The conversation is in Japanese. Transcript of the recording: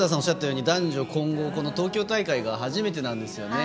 男女混合東京大会が初めてなんですね。